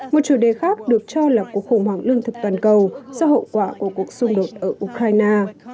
một chủ đề khác được cho là cuộc khủng hoảng lương thực toàn cầu do hậu quả của cuộc xung đột ở ukraine